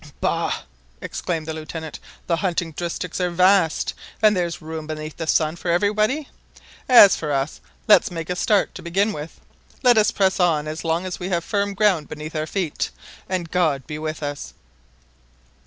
"Bah!" exclaimed the Lieutenant; "the hunting districts are vast, and there's room beneath the sun for everybody. As for us, let's make a start to begin with. Let us press on as long as we have firm ground beneath our feet, and God be with us!"